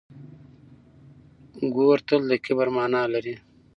ګور تل د کبر مانا لري.